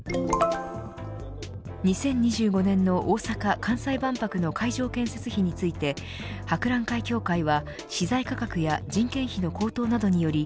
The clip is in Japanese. ２０２５年の大阪・関西万博の会場建設費について博覧会協会は資材価格や人件費の高騰などにより